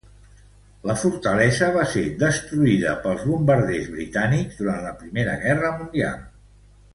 La fortalesa va ser destruïda pels bombarders britànics durant la Primera Guerra Mundial.